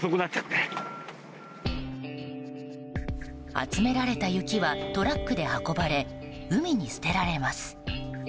集められた雪はトラックで運ばれ海に捨てられます。